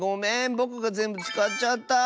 ぼくがぜんぶつかっちゃった！